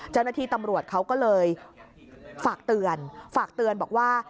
เจ้าหน้าที่ตำรวจเขาก็เลยฝากเตือนฝากเตือนบอกว่า